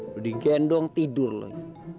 duduk gendong tidur lagi